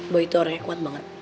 bahwa itu orangnya kuat banget